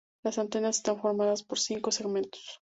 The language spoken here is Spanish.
Las antenas están formadas por cinco segmentos.